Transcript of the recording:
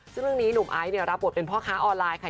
ซึ่งเรื่องนี้หนุ่มไอซ์เนี่ยรับบทเป็นพ่อค้าออนไลน์ค่ะ